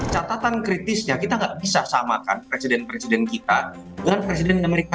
catatan kritisnya kita nggak bisa samakan presiden presiden kita dengan presiden amerika